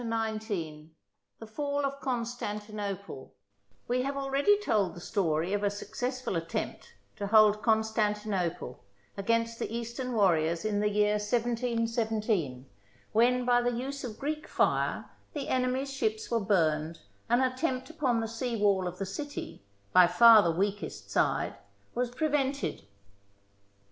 [201 ] THE FALL OF CONSTANTINOPLE, 1453 WE have already told the story of a suc cessful attempt to hold Constantinople against the Eastern warriors in the year 717, when by the use of Greek fire the enemy's ships were burned and an attempt upon the sea wall of the city, by far the weakest side, was prevented.